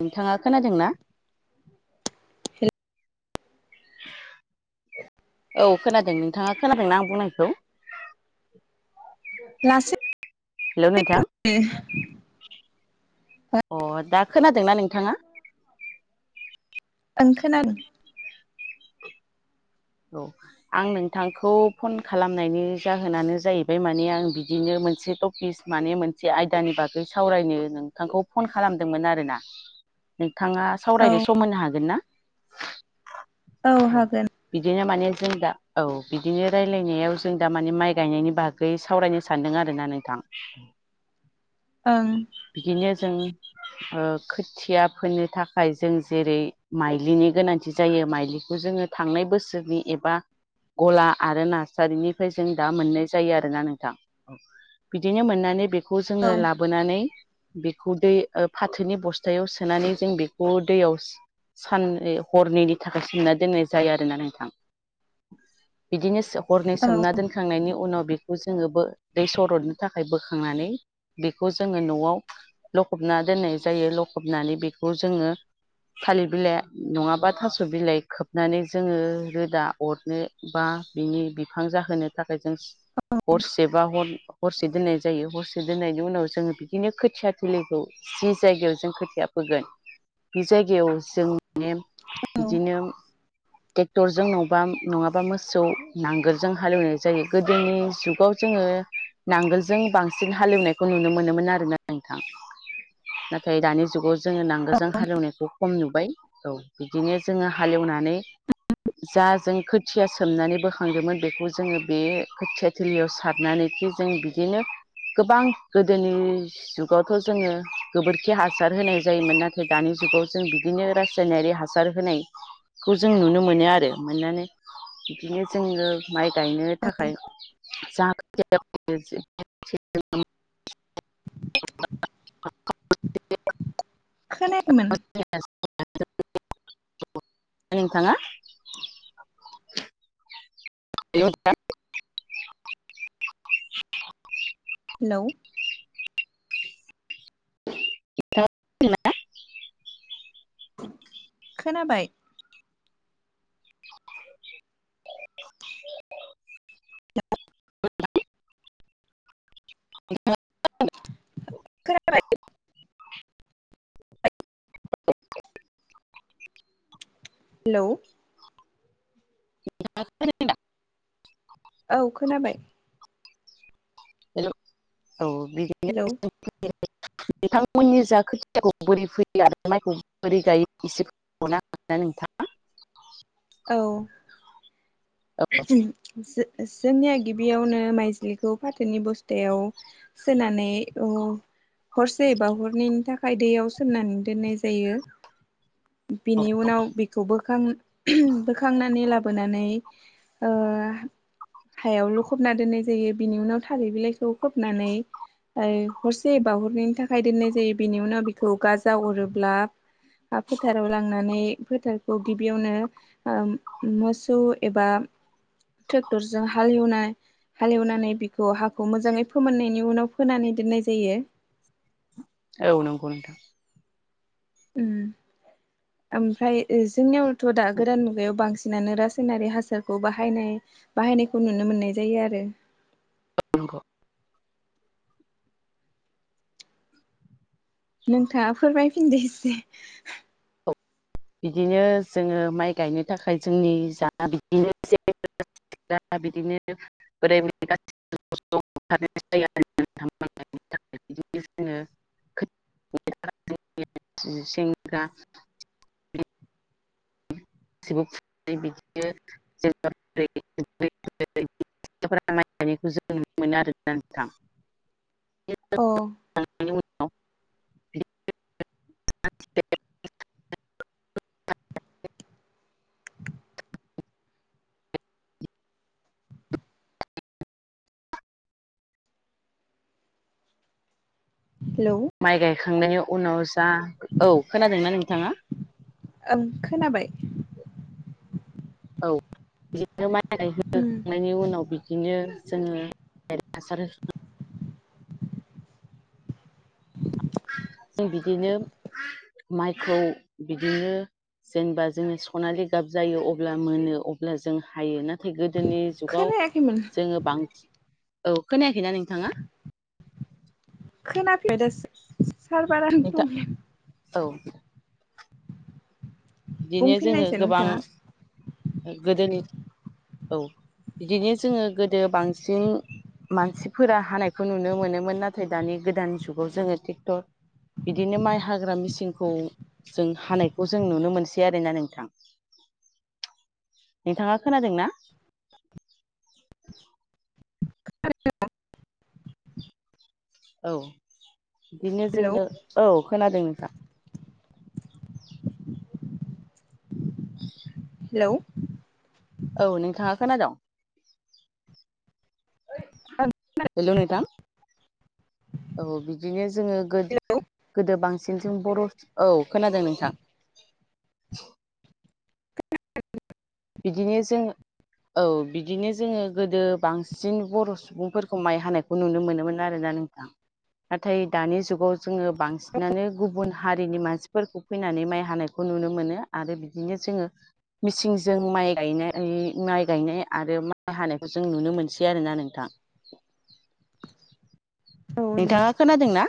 नोंथाङा खोनादों ना? औ खोनादों नोंथाङा खोनादोंना आं बुंनायखौ? [inaudible] लासै हेल' नोंथां [unintelligible] अ दा खोनादोंना नोंथाङा? ओं खोनादों। औ आं नोंथांखौ फन खालामनायनि जाहोनानो जाहैबाय माने आं बिदिनो मोनसे- [unintelligible] माने मोनसे आयदानि बागै सावरायनो नोंथांखौ फन खालामदोंमोन आरोना। नोंथाङा औ सावरायनो समायनो हागोन ना औ हागोन बिदिनो माने जों दा औ बिदिनो रायलायनायाव जों दा माने माइ गायनायनि बाहागो बै सावरायनो सानदों आरो ना नोंथां ओं बिदिनो जों ओ खोथिया फोननो थाखाय जों जेरै माइलिनि गोनांथि जायो माइलिखौ जोङो थांनाय बोसोरनि एबा गला आरो नारसारिनिफ्राय जों दा मोननाय जायो आरोना नोंथां। बिदिनो मोननानै बेखौ औ जोङो लाबो नानै बेखौ दै फाथोनि बस्थायाव सोनानै जों बेखौ दैयाव सान हरनैनि थाखाय सोमना दोननाय जायो आरोना नोंथां। बिदिनोसो हरनै औ सोमना दोनखांनायनि उनाव बेखौ जोङो ब दै सरदनो थाखाय बोखांनानै बेखौ जोङो न'आव लखबना दोननाय जायो लखबनानै बेखौ जोङो थालिर बिलाइ नङाबा थास' बिलाइ खोबनानै जोङो रोदा अरनो बा बिनि बिफां जाहोनो थाखाय जों औ हरसे बा ह हरसे दोननाय जायो हरसे दोननाय बिनि उनाव जोङो बिदिनो खोथिया थलिखौ जि जायगायाव जों खोथिया फोगोन बे जायगायाव जों माने औ बिदिनो ट्रेक्टरजों नङा नङाबा मोसौ नांगोलजों हालेवनाय जायो गोदोनि जुगाव जोङो नांगोलजों बांसिन हालेवनायखौ नुनो मोनोमोन आरोना नोंथां नाथाय दानि जुगाव जोङो नांगोलजों हालेवनायखौ खम नुबाय औ बिदिनो जोङो हालेवनानै जा जों खोथिया सोमनानै बोखांदोंमोन बेखौ जोङो बे खोथिया थोलियाव सारनानैखि जों बिदिनो गोबां गोदोनि जुगावथ' जोङो गोबोरखि हासार होनाय जायोमोन नाथाय दानि जुगाव जों बिदिनो रासायनारि हासार हासार होनायखौ जों नुनो मोनो आरो मोननानै बिदिनो जोङो माइ गायनो औ थाखाय [unintelligible] [unintelligible] खोनाखैमोन द [unintelligible] नोंथाङा इउ [unintelligible] हेलौ खोनाबाय [unintelligible] [unintelligible] खोनाबाय हेलौ [unintelligible] खोनादों दा औ खोनाबाय औ बिदि हेलौ [unintelligible] बिथांमोननि जा खोथियाखौ बोरै फैयो आरो माइखौ बोरै गायो ए [unintelligible] नोंथाङ औ जो जोंनिया गिबियावनो माइजलिखौ फाथोनि बस्थायाव सो ननानै अ हरसे एबा हरनैनि थाखाय दैयाव सोमनानै दोननाय जायो बिनि उनाव बेखौ बोखां ओम बोखांनानै लाबोनानै ओ हायावल' खबना दोननाय जायो बिनि उनाव थारै बिलाइखौ खोबनानै। हरसे बावहरनायनि थाखाय दोननाय जायो बेनि उनाव बेखौ गाजा अरोब्ला फोथाराव लांनानै फोथारखौ गिबियावनो मोसौ एबा ट्रेक्टरजों हाल एवनाय हालेवनानै बिखौ हाखौ मोजाङै फोमोननायनि उनाव फोनानै दोननाय जायो औ नंगौ नोंथां उम ओमफ्राय जोंनियावथ' दा गोदान मुगायाव बांसिन बिसिनानो रासायनारि हासारखौ बाहायनाय बाहायनायखौ नुनो मोननाय जायो आरो [inaudible] नोंथाङा फोरमायफिनदो एसे बिदिनो जोङो माइ गायनो थाखाय जोंनि जा बिदिनो जे दा बिदिनो [inaudible] बिदिनो [inaudible] जोङो दा [inaudible] [inaudible] माइ गायखौ जों नुनो मोनो आरो नोंथां। औ। बेनि उनाव हेलौ माइ गायखांनायनि उनाव जा औ खोनादोंना नोंथाङा। ओं खोनाबाय औ बिदिनो माइ उम होखांनायनि उनाव बिदिनो जोङो हासार जों बिदिनो माइखौ बिदिनो जेनेबा जोङो सनालि गाब जायो अब्ला मोनो अब्ला जों हायो नाथाय गोदोनि। जुगाव खोनायाखैमोन जोङो बांसिन औ खोनायाखैना नोंथाङा? खोनाफैबाय दे सार बारानो नोंथां दं। औ। बिदिनो जोङो बुंफिननायसै गोबां नोंथाङा गोदोनि औ। बिदिनो जोङो गोदो बांसिन मानसिफोरा हानायखौ नुनो मोनोमोन नाथाय दानि गोदान जुगाव जोङो ट्रेक्टर बिदिनो माइ हाग्रा मेचिनखौ जों हानायखौ जों नुनो मोनसै। आरो ना नोंथां नोंथाङा खोनादों ना। औ बिदिनो हेलौ जोंनो औ खोनादों नोंथां। हेलौ। औ नोंथाङा खोनादोंं हेल' नोंथां। औ बिदिनो जोङो गो हेलौ गोदो बांसिन जों बर' औ खोनादों नोंथां। बिदिनो जों। औ बिदिनो जोङो गोदो बांसिन बर' सुबुंफोरखौ माइ हानो। खौ नुनो मोनोमोन आरोना नोंथां। नाथाय दानि जुगाव जोङो बांसिनानो गुबुन हारिनि मानसिफोरखौ। फैनानै माइ हानायखौ नुनो मोनो आरो बिदिनो जोङो मिसिं जों माइ गायनाय माइ गायनाय आरो माइ हानायखौ जों नुनो मोनसै आरोना नोंथां। नोंथाङा खोनादों ना?